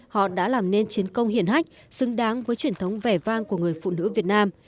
họ đã làm nên chiến công hiển hách xứng đáng với truyền thống vẻ vang của người phụ nữ việt nam